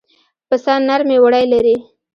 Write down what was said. پسه نرمې وړۍ لري.